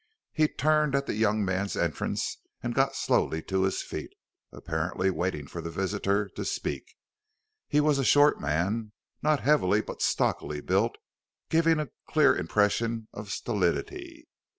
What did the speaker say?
He turned at the young man's entrance and got slowly to his feet, apparently waiting for the visitor to speak. He was a short man, not heavily, but stockily built, giving a clear impression of stolidity.